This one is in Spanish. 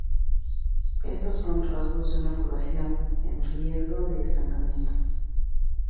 Estos son rasgos de una población en riesgo de estancamiento.